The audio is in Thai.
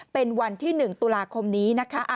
เป็นวันที่๑ตุลาคมนี้นะคะ